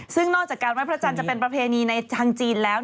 ซึ่งนอกจากการไว้พระจันทร์จะเป็นประเพณีในทางจีนแล้ว